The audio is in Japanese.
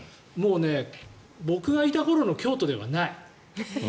僕がいた頃の京都ではない。